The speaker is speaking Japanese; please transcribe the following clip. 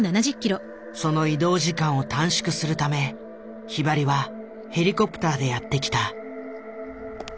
その移動時間を短縮するためひばりはヘリコプターでやってきた。